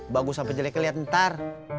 bagus sampai jelek kelihatan ntar